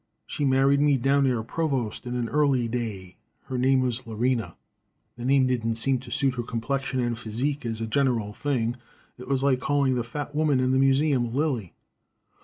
She married me down near Provost, in an early day. Her name was Lorena. The name didn't seem to suit her complexion and phizzeek as a general thing. It was like calling the fat woman in the museum Lily.